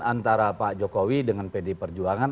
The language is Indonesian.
antara pak jokowi dengan pd perjuangan